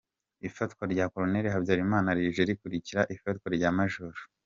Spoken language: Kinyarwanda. Ifatwa rya Col Habyarimana rije rikurikira ifatwa rya Maj.